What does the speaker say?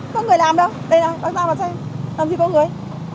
có người làm đâu đây này bác trao vào đây làm gì có người